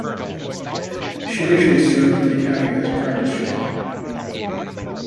She initially served at the Academy as a practice ship.